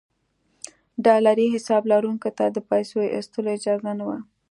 ډالري حساب لرونکو ته د پیسو ایستلو اجازه نه وه.